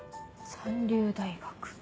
三流大学。